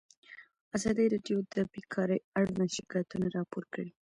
ازادي راډیو د بیکاري اړوند شکایتونه راپور کړي.